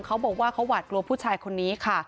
เขาบอกว่าเขาหวาดกลัวผู้ชายคนนี้ค่ะ